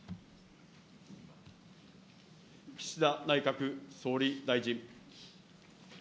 岸田内閣総理大臣。